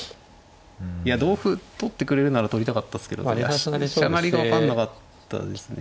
同歩取ってくれるなら取りたかったっすけど飛車成りが分かんなかったですね。